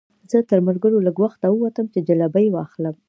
زه تر ملګرو لږ وخته ووتم چې جلبۍ واخلم.